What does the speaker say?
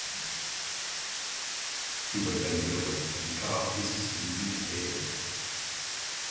He would then mutilate and cut off pieces to be eaten later.